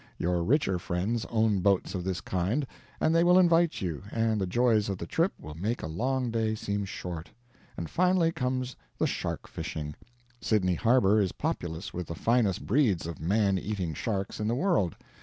Your richer friends own boats of this kind, and they will invite you, and the joys of the trip will make a long day seem short. And finally comes the shark fishing. Sydney Harbor is populous with the finest breeds of man eating sharks in the world.